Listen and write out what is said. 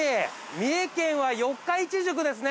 三重県は四日市宿ですね。